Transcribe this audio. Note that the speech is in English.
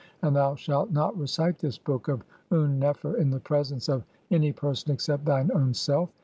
AND THOU SHALT NOT RECITE THIS BOOK OF UN NEFER IN THE PRESENCE OF (18) ANY PERSON EXCEPT THINE OWN SELF.